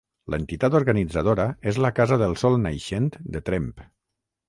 L'entitat organitzadora és La Casa del Sol Naixent de Tremp.